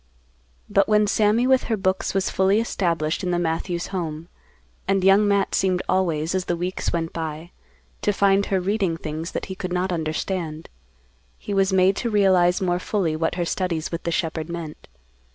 But when Sammy with her books was fully established in the Matthews home, and Young Matt seemed always, as the weeks went by, to find her reading things that he could not understand, he was made to realize more fully what her studies with the shepherd meant.